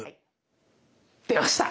出ました。